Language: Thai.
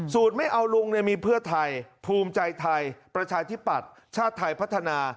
ไม่เอาลุงมีเพื่อไทยภูมิใจไทยประชาธิปัตย์ชาติไทยพัฒนา